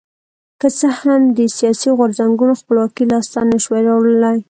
که څه هم دې سیاسي غورځنګونو خپلواکي لاسته نه شوه راوړی.